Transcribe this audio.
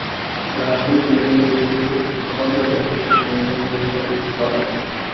রাগ-ক্ষোভ ভুলে শত্রুকে ক্ষমা করে দেওয়ার শিক্ষাটা নেলসন ম্যান্ডেলার কাছ থেকেই পাওয়া যায়।